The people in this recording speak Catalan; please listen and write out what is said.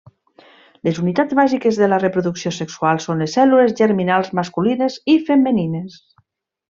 Les unitats bàsiques de la reproducció sexual són les cèl·lules germinals masculines i femenines.